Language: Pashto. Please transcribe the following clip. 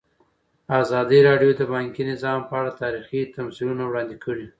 ازادي راډیو د بانکي نظام په اړه تاریخي تمثیلونه وړاندې کړي.